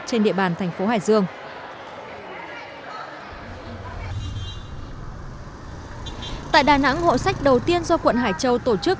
trên địa bàn thành phố hải dương tại đà nẵng hộ sách đầu tiên do quận hải châu tổ chức